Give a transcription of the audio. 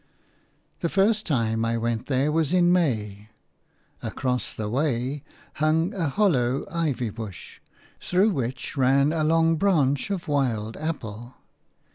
The first time I went there was in May. Across the way hung a hollow ivy bush, through which ran a long branch of wild apple.